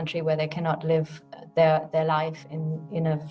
di mana mereka tidak bisa hidup secara bebas